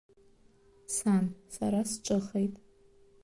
Сан, сара сҿыхеит!